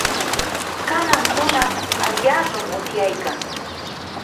kanan hunaq allaapam usyaykan.